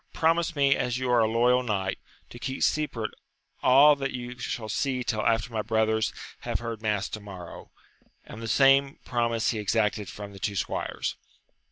Promise me, as you are a loyal knight, to keep secret all that you shall see tiU after my brothers have heard mass to morrow j and the same promise he exacted from the two squires.